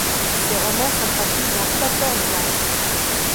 Ses romans sont traduits dans quatorze langues.